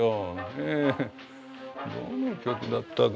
どの曲だったか？